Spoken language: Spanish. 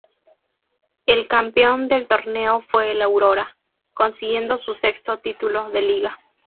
El campeón del torneo fue el Aurora, consiguiendo su sexto título de liga.